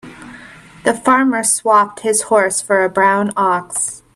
The farmer swapped his horse for a brown ox.